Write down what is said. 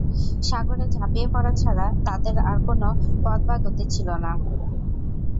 সাগরে ঝাপিয়ে পড়া ছাড়া তাদের আর কোন পথ বা গতি ছিল না।